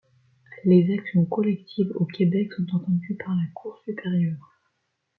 Les actions collectives au Québec sont entendues par la Cour supérieure.